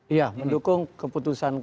iya mendukung keputusan